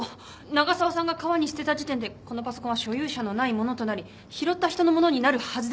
長澤さんが川に捨てた時点でこのパソコンは所有者のないものとなり拾った人のものになるはずです。